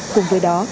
cùng với đó